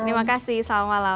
terima kasih selamat malam